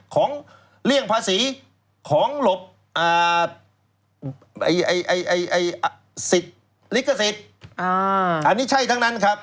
เลี่ยงภาษีของหลบสิทธิ์ลิขสิทธิ์อันนี้ใช่ทั้งนั้นครับ